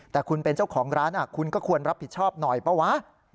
แต่คุณเป็นเจ้าของร้านคุณก็ควรรับผิดชอบหน่อยเปล่าวะ